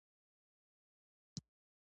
شین راکېټ په شګو کې پنجر دی.